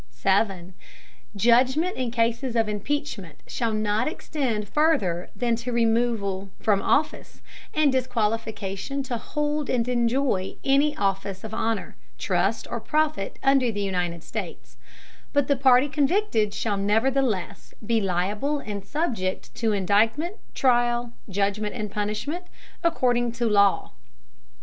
Judgment in Cases of Impeachment shall not extend further than to removal from Office, and disqualification to hold and enjoy any Office of honor, Trust or Profit under the United States: but the Party convicted shall nevertheless be liable and subject to Indictment, Trial, Judgment and Punishment, according to Law.